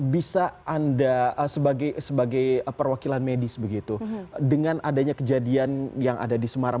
bisa anda sebagai perwakilan medis begitu dengan adanya kejadian yang ada di semarang